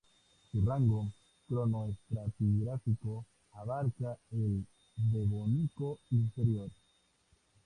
Su rango cronoestratigráfico abarca el Devónico inferior.